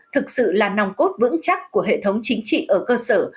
thực sự là nòng cốt vững chắc của hệ thống chính trị ở cơ sở